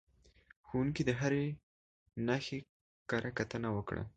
ښوونکي د هرې نښې کره کتنه وکړه.